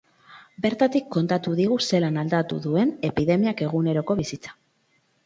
Bertatik kontatu digu zelan aldatu duen epidemiak eguneroko bizitza.